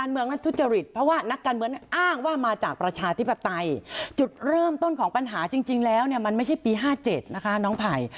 เพราะว่านักการเมืองนั้นอ้างว่ามาจากประชาธิปไตยจุดเริ่มต้นของปัญหาจริงแล้วมันไม่ใช่ปี๕๗นะคะน้องไผ่